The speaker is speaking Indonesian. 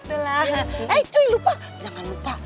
eh cuy lupa jangan lupa